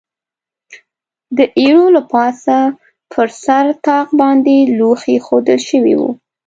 د ایرو له پاسه پر سر طاق باندې لوښي اېښوول شوي و.